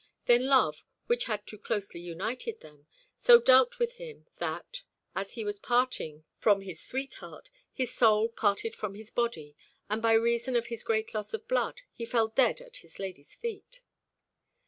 Then love, which had too closely united them, so dealt with him that, as he was parting from his sweetheart, his soul parted from his body, and, by reason of his great loss of blood, he fell dead at his lady's feet.